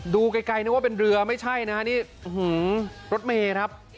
ดูไกลนึกว่าเป็นเรือไม่ใช่นะฮะนี่รถเมย์ครับ